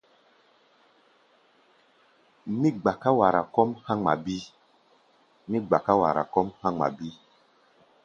Mí gbaká wara kɔ́ʼm há̧ ŋma bíí.